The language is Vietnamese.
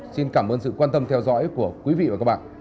xin cảm ơn sự quan tâm theo dõi của quý vị và các bạn